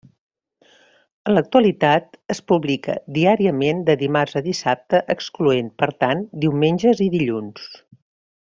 En l'actualitat, es publica diàriament de dimarts a dissabte, excloent per tant diumenges i dilluns.